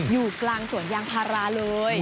อยู่กลางสวนยางพาราเลย